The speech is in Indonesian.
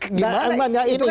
nah emangnya ini